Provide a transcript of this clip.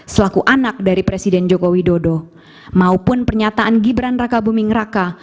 selaku anak dari presiden joko widodo maupun pernyataan gibran raka buming raka